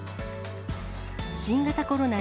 新型コロナ